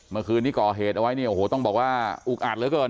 เมื่อคืนนี้ก่อเหตุเอาไว้เนี่ยโอ้โหต้องบอกว่าอุกอัดเหลือเกิน